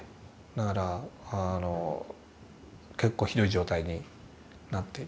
だから結構ひどい状態になっていたので。